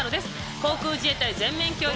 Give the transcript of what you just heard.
航空自衛隊全面協力。